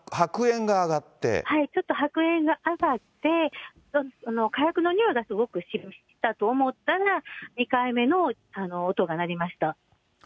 ちょっと白煙が上がって、火薬のにおいがすごくしたと思ったら、２回目の音が鳴りました。